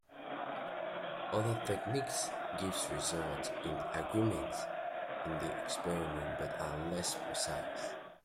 Other techniques give results in agreement in the experiment but are less precise.